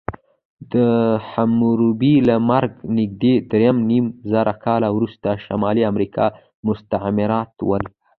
د حموربي له مرګه نږدې درېنیمزره کاله وروسته شمالي امریکا مستعمرات ول.